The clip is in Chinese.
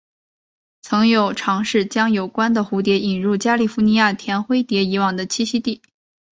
曾有尝试将有关的蝴蝶引入加利福尼亚甜灰蝶以往的栖息地。